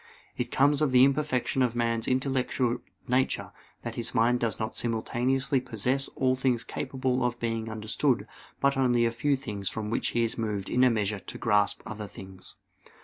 It comes of the imperfection of man's intellectual nature that his mind does not simultaneously possess all things capable of being understood, but only a few things from which he is moved in a measure to grasp other things.